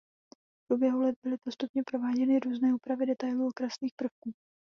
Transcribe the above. V průběhu let byly postupně prováděny různé úpravy detailů okrasných prvků.